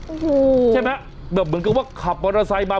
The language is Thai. โอ้โหใช่ไหมแบบเหมือนกับว่าขับมอเตอร์ไซค์มา